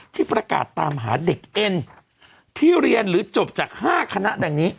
ที่ประกาศตามหาเด็กเอ็นที่เรียนหรือจบจาก๕คณะดังนี้